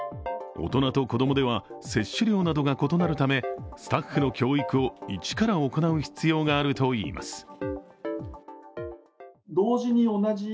大人と子供では接種量などが異なるためスタッフの教育を一から行う必要があるといいます。